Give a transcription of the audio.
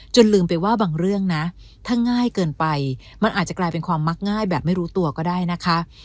ลืมไปว่าบางเรื่องนะถ้าง่ายเกินไปมันอาจจะกลายเป็นความมักง่ายแบบไม่รู้ตัวก็ได้นะคะ